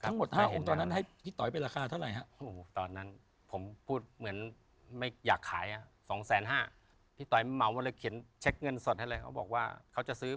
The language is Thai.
เงินสดให้เลยเขาบอกว่าเขาจะซื้อ